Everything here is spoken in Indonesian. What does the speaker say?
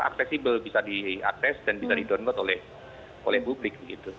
aksesibel bisa diakses dan bisa di download oleh publik